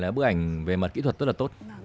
bức ảnh về mặt kỹ thuật rất là tốt